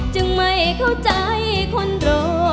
ไม่เข้าใจคนรอ